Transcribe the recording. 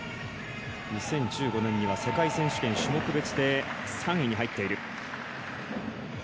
２０１５年には世界選手権種目別で３位に入っている。